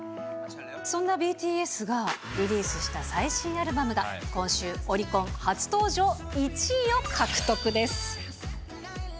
そんなＢＴＳがリリースした最新アルバムが、今週オリコン初登場１位を獲得です。